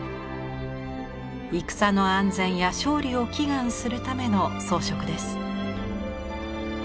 戦の安全や勝利を祈願するための装飾です。